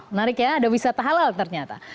menarik ya ada wisata halal ternyata